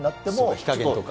火加減とか。